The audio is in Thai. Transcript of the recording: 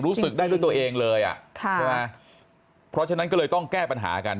รู้สึกได้ด้วยตัวเองเลยอ่ะค่ะใช่ไหมเพราะฉะนั้นก็เลยต้องแก้ปัญหากัน